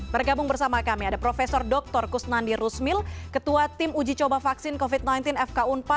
bergabung bersama kami ada prof dr kusnandi rusmil ketua tim uji coba vaksin covid sembilan belas fk unpa